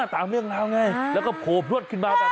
ตามเรื่องราวนี่แล้วก็โผพรวชขึ้นมาแบบนี้